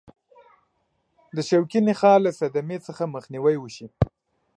د شوکي نخاع له صدمې څخه مخنیوي وشي.